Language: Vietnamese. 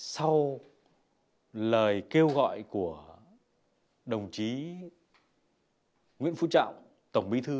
sau lời kêu gọi của đồng chí nguyễn phú trọng tổng bí thư